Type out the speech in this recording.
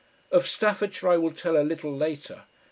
Of Staffordshire I will tell a little later.